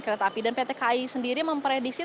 kereta api dan pt kai sendiri memprediksi